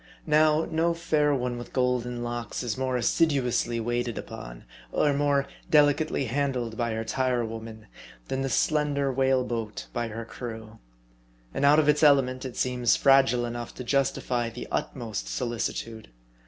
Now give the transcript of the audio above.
Now, no fair one with golden locks is more assiduously waited upon, or more delicately handled by her tire women, than the slender whale boat by her crew. And out of its element, it seems fragile enough to justify the utmost solici tude.